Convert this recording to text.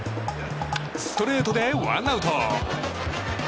ストレートでワンアウト。